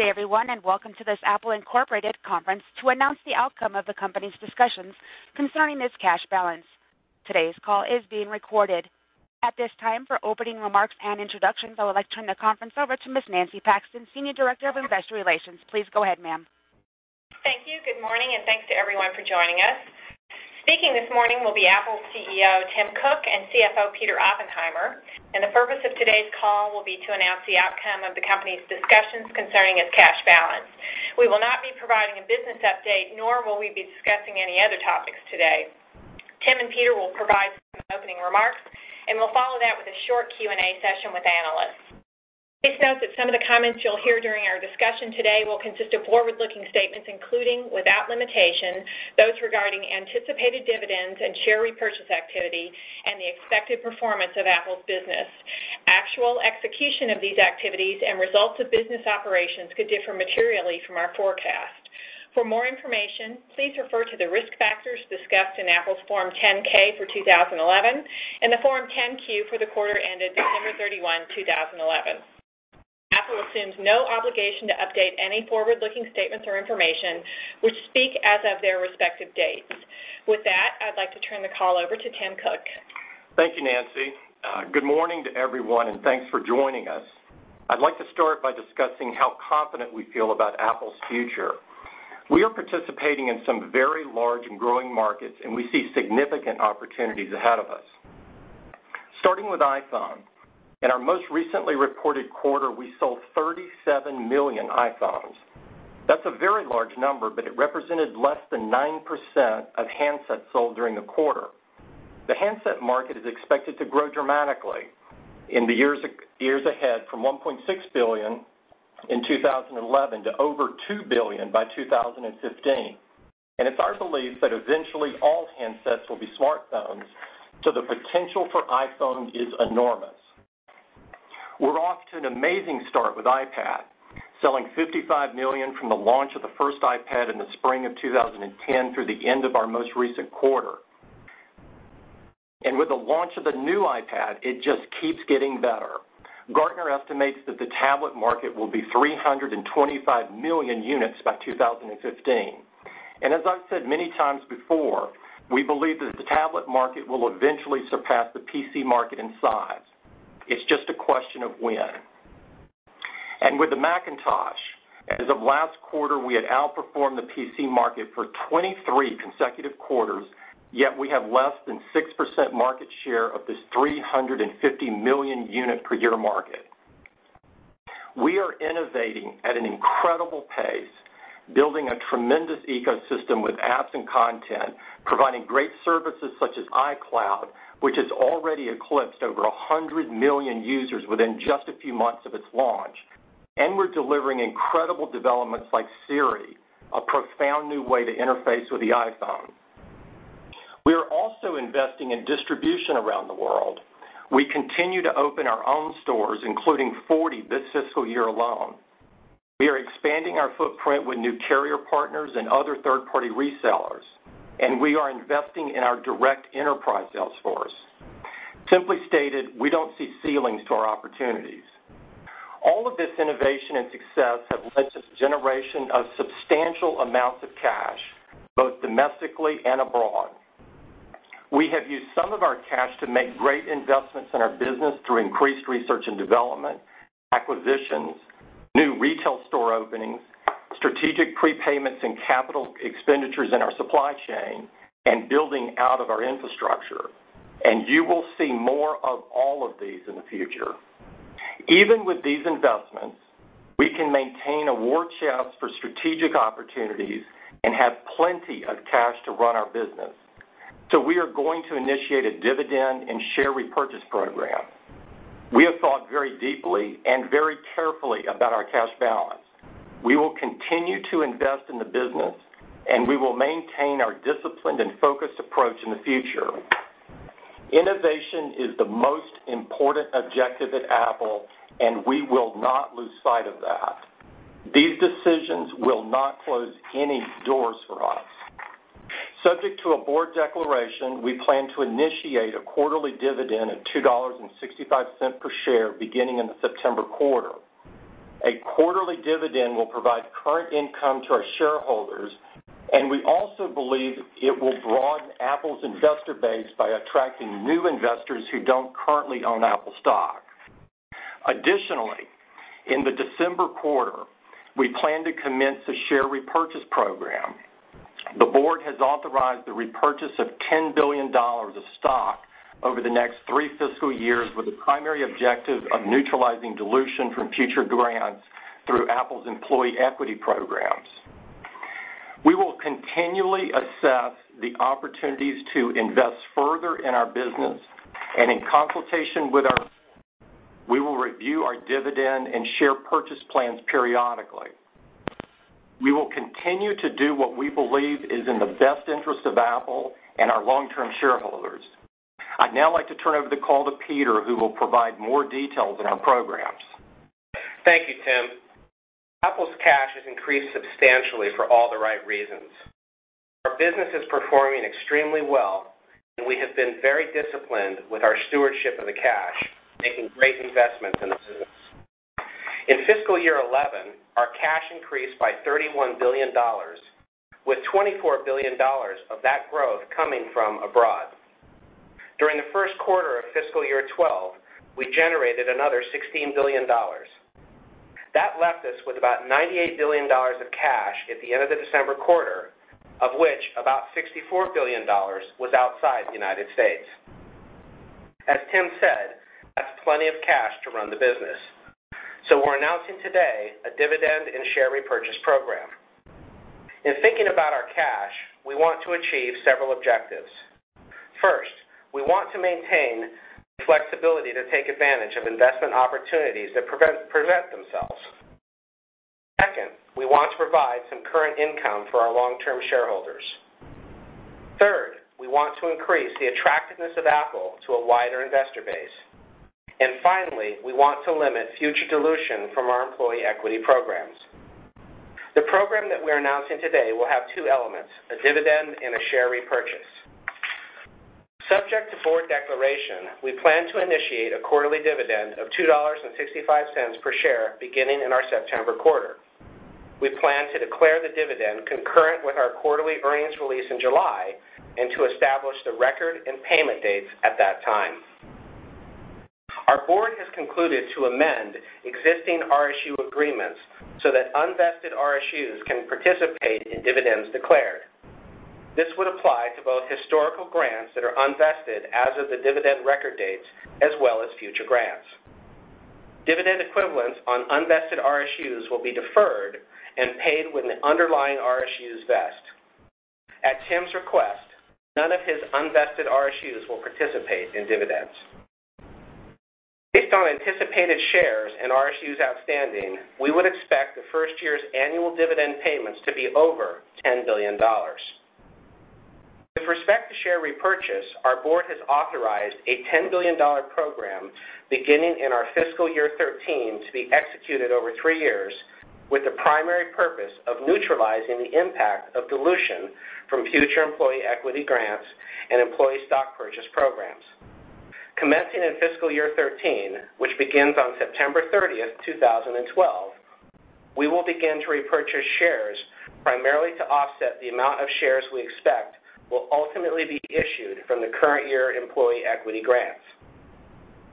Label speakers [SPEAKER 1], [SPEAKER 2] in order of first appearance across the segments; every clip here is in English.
[SPEAKER 1] Good day, everyone, and welcome to this Apple Incorporated Conference to announce the outcome of the company's discussions concerning this cash balance. Today's call is being recorded. At this time, for opening remarks and introductions, I would like to turn the conference over to Ms. Nancy Paxton, Senior Director of Investor Relations. Please go ahead, ma'am.
[SPEAKER 2] Thank you. Good morning, and thanks to everyone for joining us. Speaking this morning will be Apple CEO Tim Cook and CFO Peter Oppenheimer, and the purpose of today's call will be to announce the outcome of the company's discussions concerning its cash balance. We will not be providing a business update, nor will we be discussing any other topics today. Tim and Peter will provide some opening remarks, and we'll follow that with a short Q&A session with analysts. Please note that some of the comments you'll hear during our discussion today will consist of forward-looking statements, including, without limitation, those regarding anticipated dividends and share repurchase activity and the expected performance of Apple's business. Actual execution of these activities and results of business operations could differ materially from our forecast. For more information, please refer to the risk factors discussed in Apple's Form 10-K for 2011 and the Form 10-Q for the quarter ended November 30, 2011. Apple assumes no obligation to update any forward-looking statements or information which speak as of their respective dates. With that, I'd like to turn the call over to Tim Cook.
[SPEAKER 3] Thank you, Nancy. Good morning to everyone, and thanks for joining us. I'd like to start by discussing how confident we feel about Apple's future. We are participating in some very large and growing markets, and we see significant opportunities ahead of us. Starting with iPhone, in our most recently reported quarter, we sold 37 million iPhones. That's a very large number, but it represented less than 9% of handsets sold during the quarter. The handset market is expected to grow dramatically in the years ahead, from 1.6 billion in 2011 to over 2 billion by 2015. It is our belief that eventually all handsets will be smartphones, so the potential for iPhone is enormous. We're off to an amazing start with iPad, selling 55 million from the launch of the first iPad in the spring of 2010 through the end of our most recent quarter. With the launch of the new iPad, it just keeps getting better. Gartner estimates that the tablet market will be 325 million units by 2015. As I've said many times before, we believe that the tablet market will eventually surpass the PC market in size. It's just a question of when. With the [Mac] as of last quarter, we had outperformed the PC market for 23 consecutive quarters, yet we have less than 6% market share of this 350 million unit per year market. We are innovating at an incredible pace, building a tremendous ecosystem with apps and content, providing great services such as iCloud, which has already eclipsed over 100 million users within just a few months of its launch. We're delivering incredible developments like Siri, a profound new way to interface with the iPhone. We are also investing in distribution around the world. We continue to open our own stores, including 40 this fiscal year alone. We are expanding our footprint with new carrier partners and other third-party resellers, and we are investing in our direct enterprise sales force. Simply stated, we don't see ceilings to our opportunities. All of this innovation and success have led to this generation of substantial amounts of cash, both domestically and abroad. We have used some of our cash to make great investments in our business through increased research and development, acquisitions, new retail store openings, strategic prepayments, and capital expenditures in our supply chain, and building out of our infrastructure. You will see more of all of these in the future. Even with these investments, we can maintain a war chest for strategic opportunities and have plenty of cash to run our business. We are going to initiate a dividend and share repurchase program. We have thought very deeply and very carefully about our cash balance. We will continue to invest in the business, and we will maintain our disciplined and focused approach in the future. Innovation is the most important objective at Apple, and we will not lose sight of that. These decisions will not close any doors for us. Subject to a board declaration, we plan to initiate a quarterly dividend at $2.65 per share beginning in the September quarter. A quarterly dividend will provide current income to our shareholders, and we also believe it will broaden Apple's investor base by attracting new investors who don't currently own Apple stock. Additionally, in the December quarter, we plan to commence a share repurchase program. The board has authorized the repurchase of $10 billion of stock over the next three fiscal years with the primary objective of neutralizing dilution from future grants through Apple's employee equity programs. We will continually assess the opportunities to invest further in our business, and in consultation with our... We will review our dividend and share purchase plans periodically. We will continue to do what we believe is in the best interest of Apple and our long-term shareholders. I'd now like to turn over the call to Peter, who will provide more details on our programs.
[SPEAKER 4] Thank you, Tim. Apple’s cash has increased substantially for all the right reasons. Our business is performing extremely well, and we have been very disciplined with our stewardship of the cash, making great investments in the business. In fiscal year 2011, our cash increased by $31 billion, with $24 billion of that growth coming from abroad. During the first quarter of fiscal year 2012, we generated another $16 billion. That left us with about $98 billion of cash at the end of the December quarter, of which about $64 billion was outside the United States. As Tim said, that's plenty of cash to run the business. We are announcing today a dividend and share repurchase program. In thinking about our cash, we want to achieve several objectives. First, we want to maintain the flexibility to take advantage of investment opportunities that present themselves. Second, we want to provide some current income for our long-term shareholders. Third, we want to increase the attractiveness of Apple to a wider investor base. Finally, we want to limit future dilution from our employee equity programs. The program that we are announcing today will have two elements: a dividend and a share repurchase. Subject to board declaration, we plan to initiate a quarterly dividend of $2.65 per share beginning in our September quarter. We plan to declare the dividend concurrent with our quarterly earnings release in July and to establish the record and payment dates at that time. Our board has concluded to amend existing RSU agreements so that unvested RSUs can participate in dividends declared. This would apply to both historical grants that are unvested as of the dividend record dates, as well as future grants. Dividend equivalents on unvested RSUs will be deferred and paid when the underlying RSUs vest. At Tim's request, none of his unvested RSUs will participate in dividends. Based on anticipated shares and RSUs outstanding, we would expect the first year's annual dividend payments to be over $10 billion. With respect to share repurchase, our board has authorized a $10 billion program beginning in our fiscal year 2013 to be executed over three years with the primary purpose of neutralizing the impact of dilution from future employee equity grants and employee stock purchase programs. Commencing in fiscal year 2013, which begins on September 30th, 2012, we will begin to repurchase shares primarily to offset the amount of shares we expect will ultimately be issued from the current year employee equity grants.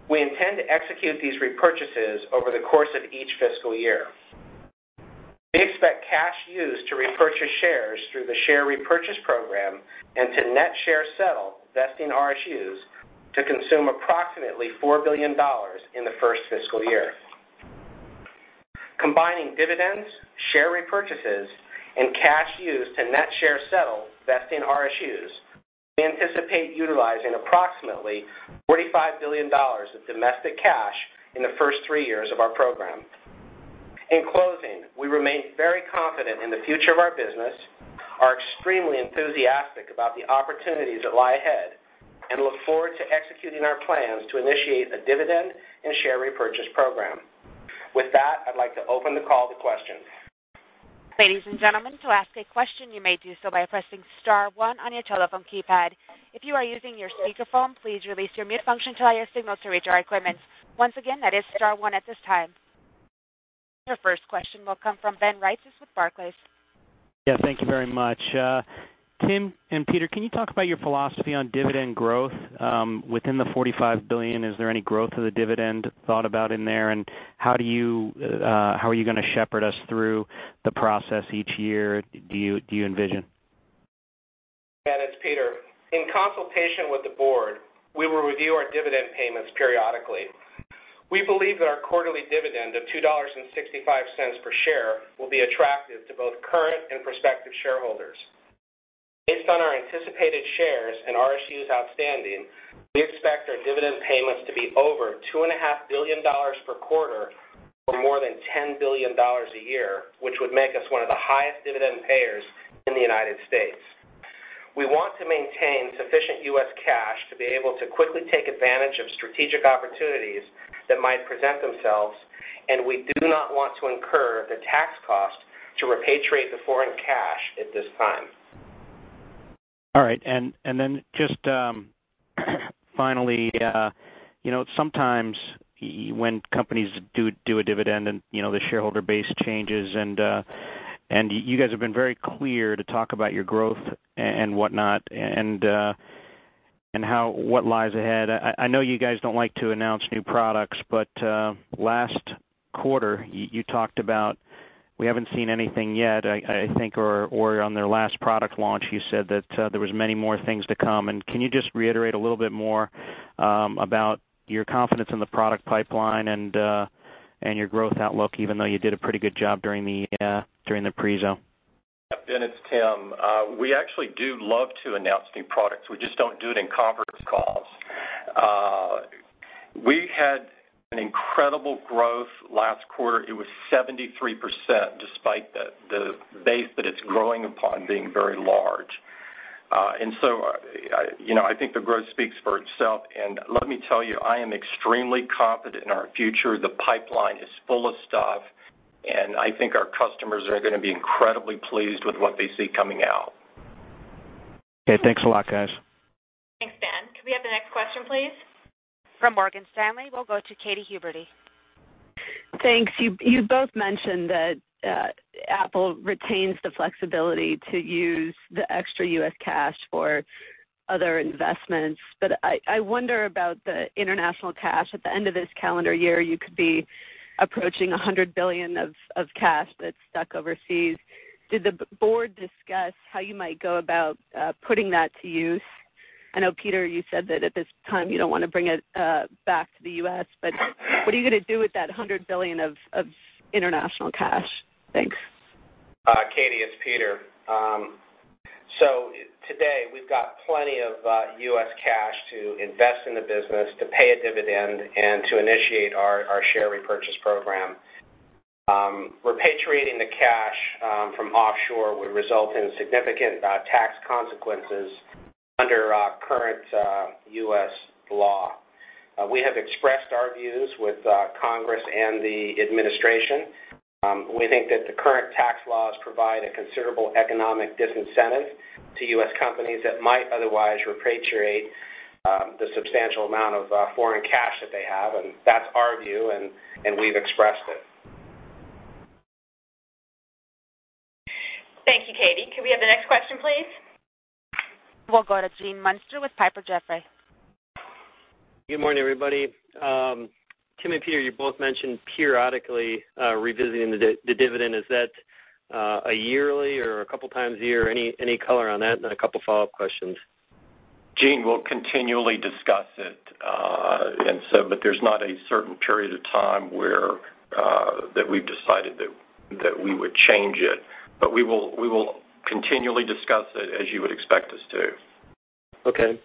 [SPEAKER 4] We intend to execute these repurchases over the course of each fiscal year. We expect cash used to repurchase shares through the share repurchase program and to net share settled vesting RSUs to consume approximately $4 billion in the first fiscal year. Combining dividends, share repurchases, and cash used to net share settled vesting RSUs, we anticipate utilizing approximately $45 billion of domestic cash in the first three years of our program. In closing, we remain very confident in the future of our business, are extremely enthusiastic about the opportunities that lie ahead, and look forward to executing our plans to initiate a dividend and share repurchase program. With that, I'd like to open the call to questions.
[SPEAKER 1] Ladies and gentlemen, to ask a question, you may do so by pressing star one on your telephone keypad. If you are using your speakerphone, please release your mute function to allow your signal to reach our equipment. Once again, that is star one at this time. Our first question will come from Ben Reitzes. He's with Barclays.
[SPEAKER 5] Thank you very much. Tim and Peter, can you talk about your philosophy on dividend growth? Within the $45 billion, is there any growth of the dividend thought about in there, and how do you... How are you going to shepherd us through the process each year? Do you envision?
[SPEAKER 4] It is Peter. In consultation with the board, we will review our dividend payments periodically. We believe that our quarterly dividend of $2.65 per share will be attractive to both current and prospective shareholders. Based on our anticipated shares and RSUs outstanding, we expect our dividend payments to be over $2.5 billion per quarter for more than $10 billion a year, which would make us one of the highest dividend payers in the United States. We want to maintain sufficient U.S. cash to be able to quickly take advantage of strategic opportunities that might present themselves, and we do not want to incur the tax cost to repatriate the foreign cash at this time.
[SPEAKER 5] All right. Finally, sometimes when companies do a dividend and the shareholder base changes, you guys have been very clear to talk about your growth and what lies ahead. I know you guys don't like to announce new products, but last quarter you talked about we haven't seen anything yet, I think, or on their last product launch you said that there were many more things to come. Can you just reiterate a little bit more about your confidence in the product pipeline and your growth outlook, even though you did a pretty good job during the pre-sale?
[SPEAKER 3] It's Tim. We actually do love to announce new products. We just don't do it in conference calls. We had incredible growth last quarter. It was 73% despite the base that it's growing upon being very large. I think the growth speaks for itself. Let me tell you, I am extremely confident in our future. The pipeline is full of stuff, and I think our customers are going to be incredibly pleased with what they see coming out.
[SPEAKER 5] Hey, thanks a lot, guys.
[SPEAKER 2] Thanks, Ben. Can we have the next question, please?
[SPEAKER 1] From Morgan Stanley, we'll go to Katy Huberty.
[SPEAKER 6] Thanks. You both mentioned that Apple retains the flexibility to use the extra U.S. cash for other investments. I wonder about the international cash. At the end of this calendar year, you could be approaching $100 billion of cash that's stuck overseas. Did the board discuss how you might go about putting that to use? I know, Peter, you said that at this time you don't want to bring it back to the U.S., but what are you going to do with that $100 billion of international cash? Thanks.
[SPEAKER 4] Katy, it's Peter. Today we've got plenty of U.S. cash to invest in the business, to pay a dividend, and to initiate our share repurchase program. Repatriating the cash from offshore would result in significant tax consequences under current U.S. law. We have expressed our views with Congress and the administration. We think that the current tax laws provide a considerable economic disincentive to U.S. companies that might otherwise repatriate the substantial amount of foreign cash that they have. That's our view, and we've expressed it.
[SPEAKER 2] Thank you, Katie. Can we have the next question, please?
[SPEAKER 1] We'll go to Gene Munster with Piper Jaffray.
[SPEAKER 7] Good morning, everybody. Tim and Peter, you both mentioned periodically revisiting the dividend. Is that a yearly or a couple of times a year? Any color on that? A couple of follow-up questions.
[SPEAKER 3] Gene, we'll continually discuss it. There is not a certain period of time where we've decided that we would change it. We will continually discuss it, as you would expect us to.
[SPEAKER 7] Okay,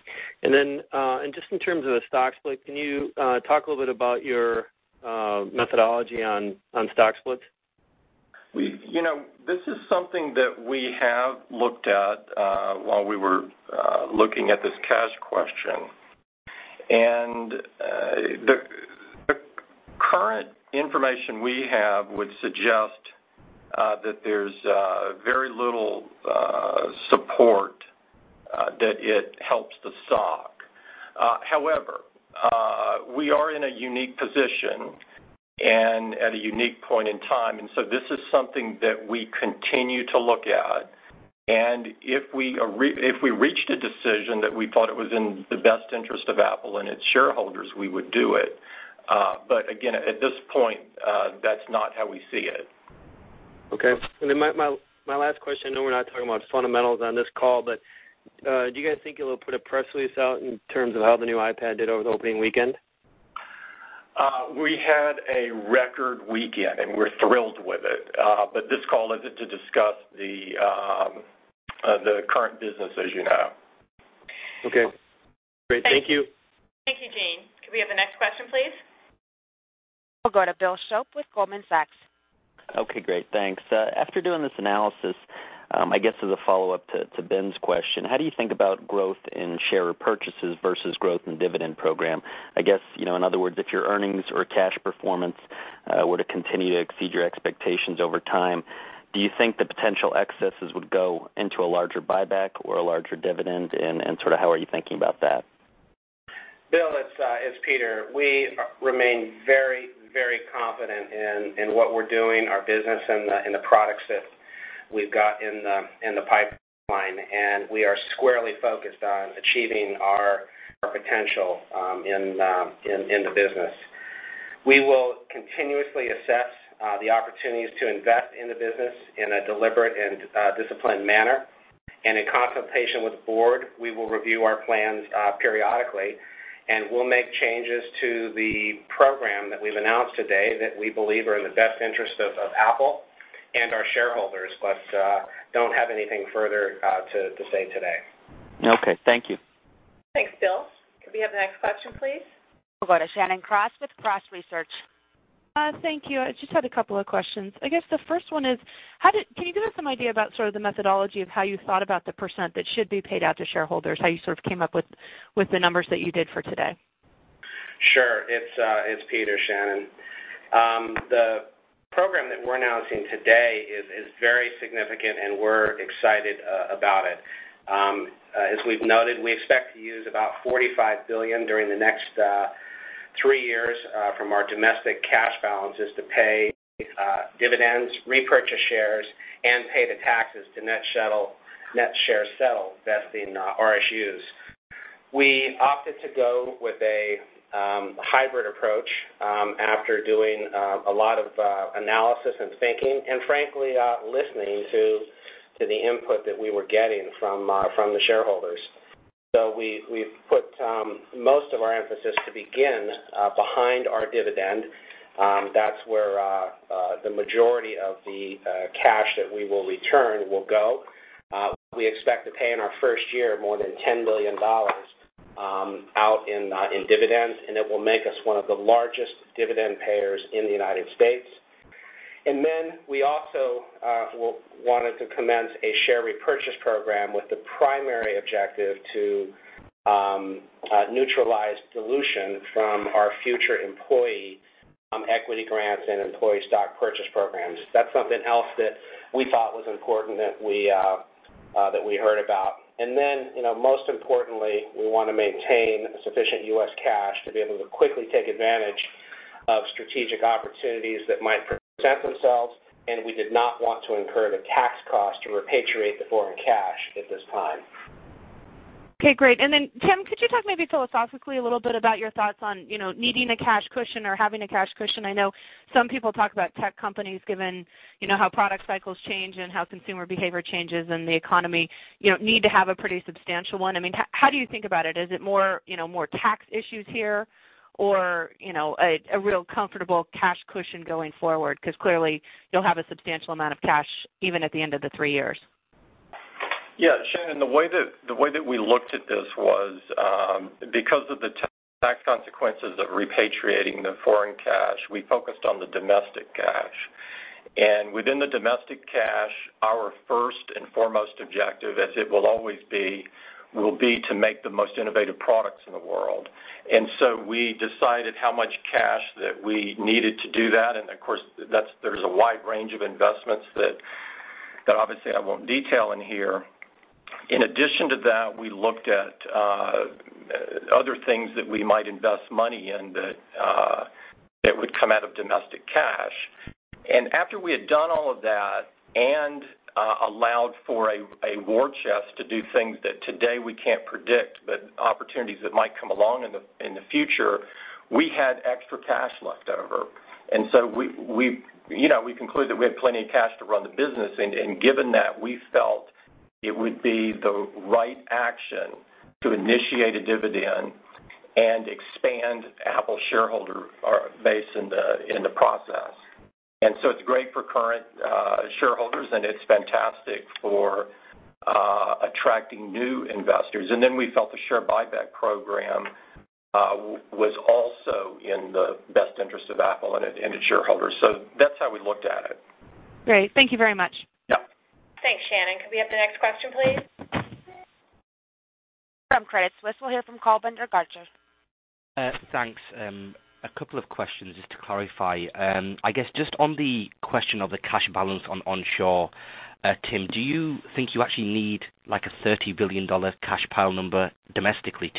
[SPEAKER 7] just in terms of the stock split, can you talk a little bit about your methodology on stock splits?
[SPEAKER 3] This is something that we have looked at while we were looking at this cash question. The current information we have would suggest that there's very little support that it helps the stock. However, we are in a unique position and at a unique point in time. This is something that we continue to look at. If we reached a decision that we thought it was in the best interest of Apple Inc. and its shareholders, we would do it. At this point, that's not how we see it.
[SPEAKER 7] Okay. My last question, I know we're not talking about fundamentals on this call, but do you guys think you'll put a press release out in terms of how the new iPad did over the opening weekend?
[SPEAKER 3] We had a record weekend, and we're thrilled with it. This call isn't to discuss the current business, as you know.
[SPEAKER 7] Okay, great. Thank you.
[SPEAKER 2] Thank you, Gene. Can we have the next question, please?
[SPEAKER 1] I'll go to Bill Shoppe with Goldman Sachs.
[SPEAKER 8] Okay, great. Thanks. After doing this analysis, I guess as a follow-up to Ben's question, how do you think about growth in share repurchases versus growth in the dividend program? In other words, if your earnings or cash performance were to continue to exceed your expectations over time, do you think the potential excesses would go into a larger buyback or a larger dividend? How are you thinking about that?
[SPEAKER 4] Bill, it's Peter. We remain very, very confident in what we're doing, our business, and the products that we've got in the pipeline. We are squarely focused on achieving our potential in the business. We will continuously assess the opportunities to invest in the business in a deliberate and disciplined manner. In consultation with the board, we will review our plans periodically. We'll make changes to the program that we've announced today that we believe are in the best interest of Apple and our shareholders, but don't have anything further to say today.
[SPEAKER 8] Okay, thank you.
[SPEAKER 2] Thanks, Bill. Can we have the next question, please?
[SPEAKER 1] will go to Shannon Cross with Cross Research.
[SPEAKER 9] Thank you. I just had a couple of questions. The first one is, can you give us some idea about the methodology of how you thought about the percentage that should be paid out to shareholders, how you came up with the numbers that you did for today?
[SPEAKER 4] Sure. It's Peter, Shannon. The program that we're announcing today is very significant, and we're excited about it. As we've noted, we expect to use about $45 billion during the next three years from our domestic cash balances to pay dividends, repurchase shares, and pay the taxes to net share settled vesting RSUs. We opted to go with a hybrid approach after doing a lot of analysis and thinking, and, frankly, listening to the input that we were getting from the shareholders. We've put most of our emphasis to begin behind our dividend. That's where the majority of the cash that we will return will go. We expect to pay in our first year more than $10 billion out in dividends, and it will make us one of the largest dividend payers in the U.S. We also wanted to commence a share repurchase program with the primary objective to neutralize dilution from our future employee equity grants and employee stock purchase programs. That's something else that we thought was important that we heard about. Most importantly, we want to maintain sufficient U.S. cash to be able to quickly take advantage of strategic opportunities that might present themselves. We did not want to incur the tax cost to repatriate the foreign cash at this time.
[SPEAKER 9] Okay, great. Tim, could you talk maybe philosophically a little bit about your thoughts on needing a cash cushion or having a cash cushion? I know some people talk about tech companies, given how product cycles change and how consumer behavior changes and the economy, need to have a pretty substantial one. I mean, how do you think about it? Is it more tax issues here or a real comfortable cash cushion going forward? Clearly, you'll have a substantial amount of cash even at the end of the three years.
[SPEAKER 3] Yeah, Shannon, the way that we looked at this was because of the tax consequences of repatriating the foreign cash, we focused on the domestic cash. Within the domestic cash, our first and foremost objective, as it will always be, will be to make the most innovative products in the world. We decided how much cash that we needed to do that. Of course, there's a wide range of investments that obviously I won't detail in here. In addition to that, we looked at other things that we might invest money in that would come out of domestic cash. After we had done all of that and allowed for a war chest to do things that today we can't predict, but opportunities that might come along in the future, we had extra cash left over. We concluded that we had plenty of cash to run the business. Given that, we felt it would be the right action to initiate a dividend and expand Apple shareholder base in the process. It's great for current shareholders, and it's fantastic for attracting new investors. We felt the share buyback program was also in the best interest of Apple and its shareholders. That's how we looked at it.
[SPEAKER 9] Great, thank you very much.
[SPEAKER 2] Thanks, Shannon. Can we have the next question, please?
[SPEAKER 1] From Credit Suisse, we'll hear from Kulbinder Garcha.
[SPEAKER 10] Thanks. A couple of questions just to clarify. I guess just on the question of the cash balance on onshore, Tim, do you think you actually need like a $30 billion cash pile number domestically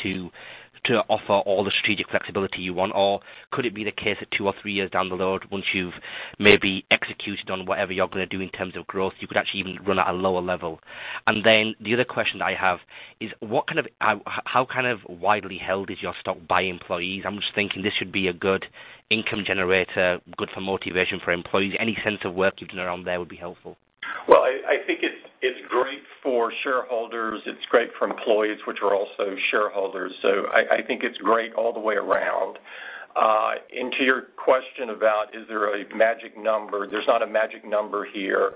[SPEAKER 10] to offer all the strategic flexibility you want, or could it be the case that two or three years down the road, once you've maybe executed on whatever you're going to do in terms of growth, you could actually even run at a lower level? The other question I have is, how widely held is your stock by employees? I'm just thinking this should be a good income generator, good for motivation for employees. Any sense of work you've done around there would be helpful.
[SPEAKER 3] I think it's great for shareholders. It's great for employees, which are also shareholders. I think it's great all the way around. To your question about is there a magic number, there's not a magic number here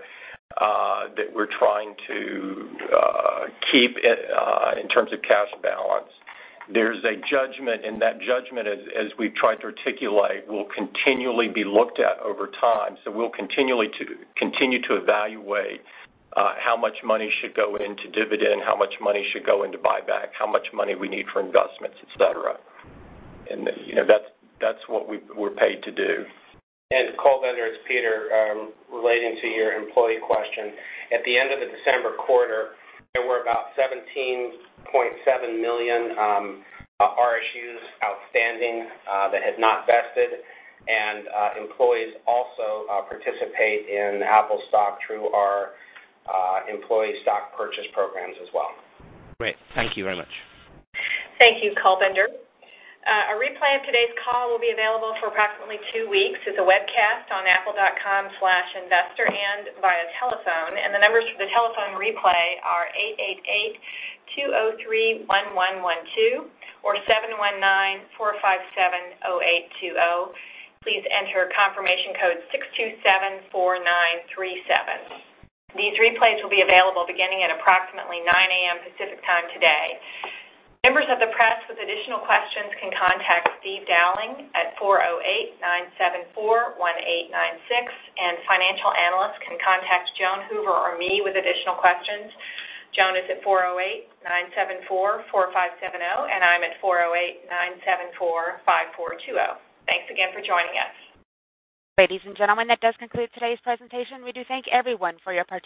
[SPEAKER 3] that we're trying to keep in terms of cash balance. There's a judgment, and that judgment, as we've tried to articulate, will continually be looked at over time. We'll continue to evaluate how much money should go into dividend, how much money should go into buyback, how much money we need for investments, etc. You know that's what we're paid to do.
[SPEAKER 4] Kulbinder, it's Peter, relating to your employee question. At the end of the December quarter, there were about 17.7 million RSUs outstanding that had not vested, and employees also participate in Apple stock through our employee stock purchase programs as well.
[SPEAKER 10] Great, thank you very much.
[SPEAKER 2] Thank you, Kulbinder. A replay of today's call will be available for approximately two weeks as a webcast on apple.com/investor and via telephone. The numbers for the telephone replay are 888-203-1112 or 719-457-0820. Please enter confirmation code 6274937. These replays will be available beginning at approximately 9:00 A.M. Pacific time today. Members of the press with additional questions can contact Steve Dowling at 408-974-1896, and financial analysts can contact Joan Hoover or me with additional questions. Joan is at 408-974-4570, and I'm at 408-974-5420. Thanks again for joining us.
[SPEAKER 1] Ladies and gentlemen, that does conclude today's presentation. We do thank everyone for your participation.